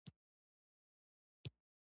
جنګ د هغه څه که څه هم تباه کړي.